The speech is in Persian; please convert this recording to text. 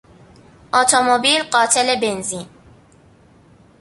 اتومبیل قاتل بنزین